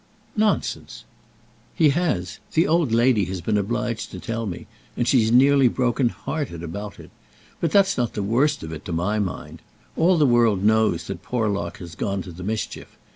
"Nonsense." "He has. The old lady has been obliged to tell me, and she's nearly broken hearted about it. But that's not the worst of it to my mind. All the world knows that Porlock had gone to the mischief.